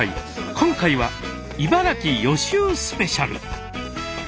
今回は「茨城予習スペシャル」。